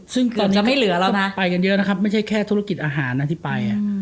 ซึ่งตอนนี้ก็ไปกันเยอะนะครับไม่ใช่แค่ธุรกิจอาหารที่ไป